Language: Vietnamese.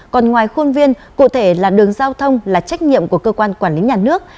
còn ngoài khuôn viên cụ thể là đường giao thông là trách nhiệm của cơ quan quản lý nhà nước